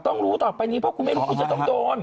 รู้ต่อไปนี้เพราะคุณไม่รู้คุณจะต้องโดน